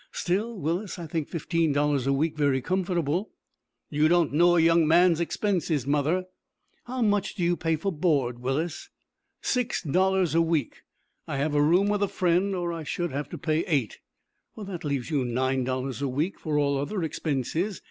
Still, Willis, I think fifteen dollars a week very comfortable." "You don't know a young man's expenses, mother." "How much do you pay for board, Willis?" "Six dollars a week. I have a room with a friend, or I should have to pay eight." "That leaves you nine dollars a week for all other expenses.